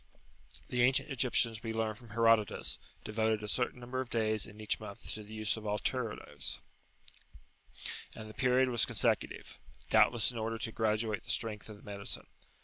The ancient Egyptians we learn from Herodotus devoted a certain number of days in each month to the use of alteratives, and the [p.56]period was consecutive, doubtless in order to graduate the strength of the medicine.